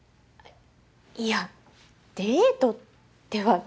いやデートってわけでは。